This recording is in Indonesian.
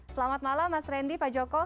selamat malam mas randy pak joko